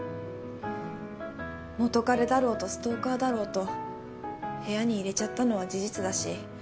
元彼だろうとストーカーだろうと部屋に入れちゃったのは事実だし。